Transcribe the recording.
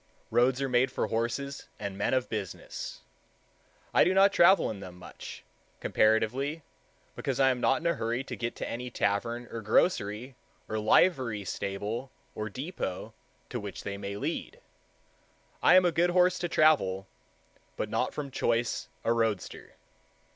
Roads are made for horses and men of business. I do not travel in them much, comparatively, because I am not in a hurry to get to any tavern or grocery or livery stable or depot to which they lead. I am a good horse to travel, but not from choice a roadster.